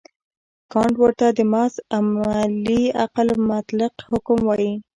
کانټ ورته د محض عملي عقل مطلق حکم وايي.